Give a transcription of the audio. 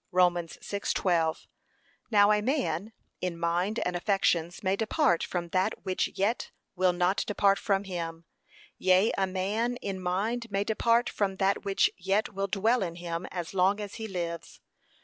(Rom. 6:12) Now a man, in mind and affections, may depart from that which yet will not depart from him; yea, a man in mind may depart from that which yet will dwell in him as long as he lives.